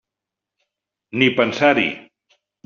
Ni pensar-hi!